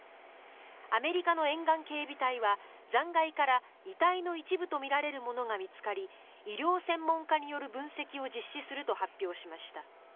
アメリカの沿岸警備隊は残骸から遺体の一部とみられるものが見つかり医療専門家による分析を実施すると発表しました。